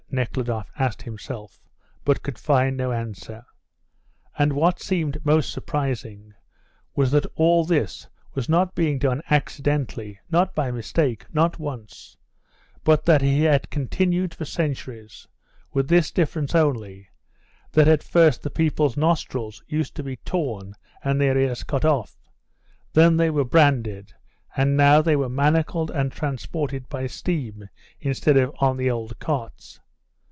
Nekhludoff asked himself, but could find no answer. And what seemed most surprising was that all this was not being done accidentally, not by mistake, not once, but that it had continued for centuries, with this difference only, that at first the people's nostrils used to be torn and their ears cut off; then they were branded, and now they were manacled and transported by steam instead of on the old carts.